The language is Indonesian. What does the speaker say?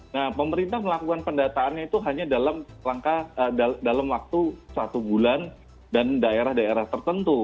nah pemerintah melakukan pendataannya itu hanya dalam waktu satu bulan dan daerah daerah tertentu